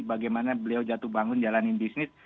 bagaimana beliau jatuh bangun jalanin bisnis